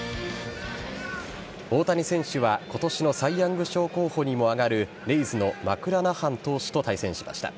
大谷選手は今年のサイ・ヤング賞候補にも上がるレイズのマクラナハン投手と対戦しました。